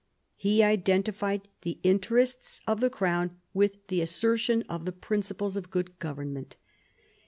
He identified the interests of the crown with the assertion of the principles of good government.